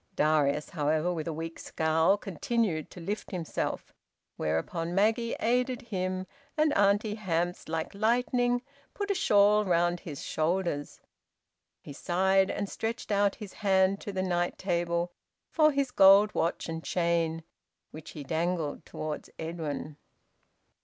Darius, however, with a weak scowl, continued to lift himself, whereupon Maggie aided him, and Auntie Hamps like lightning put a shawl round his shoulders. He sighed, and stretched out his hand to the night table for his gold watch and chain, which he dangled towards Edwin.